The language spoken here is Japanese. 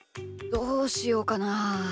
どうしようかなあ。